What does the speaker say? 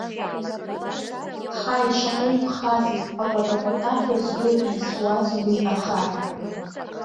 Ҳаи, шаҟа иԥхази, акәата-кәатаҳәа згәы еисуаз уи ахаҳә!